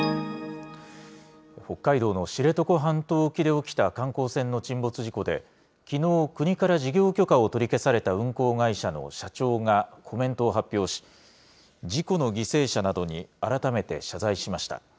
北海道の知床半島沖で起きた観光船の沈没事故で、きのう国から事業許可を取り消された運航会社の社長が、コメントを発表し、事故の犠牲者などに改めて謝罪しました。